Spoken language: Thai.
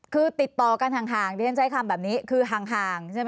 คือติดต่อกันหังได้ใช้คำแบบนี้หังใช่ไหมคะ